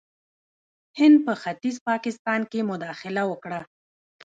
هند په ختیځ پاکستان کې مداخله وکړه.